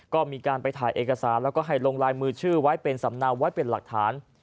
ก็มีการไปถ่ายเอกสารแล้วก็ให้ลงลายมือชื่อไว้เป็นสำเนาไว้เป็นหลักฐาน